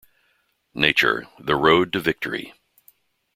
Nature: The Road to Victory.